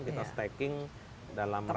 kita steking dalam rak